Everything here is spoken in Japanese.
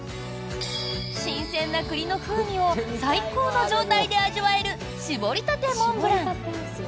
新鮮な栗の風味を最高の状態で味わえる搾りたてモンブラン。